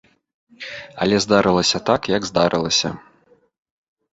Але здарылася так, як здарылася.